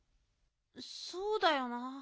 そうだよな。